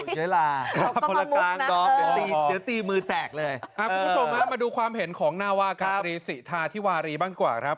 ยาลาเดี๋ยวตีมือแตกเลยเออพี่โทมะมาดูความเห็นของนาวาคารีสิธาธิวารีบ้างกว่าครับ